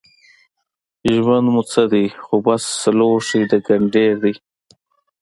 ژوند مو څه دی خو بس لوښی د ګنډېر دی